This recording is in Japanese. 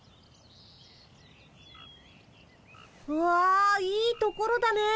わあいいところだねえ。